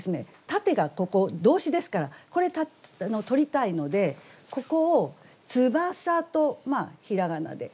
「立て」がここ動詞ですからこれ取りたいのでここを「つばさ」と平仮名で。